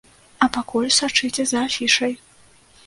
А пакуль сачыце за афішай!